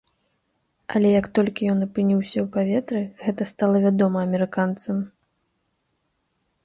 Але як толькі ён апынуўся ў паветры, гэта стала вядома амерыканцам.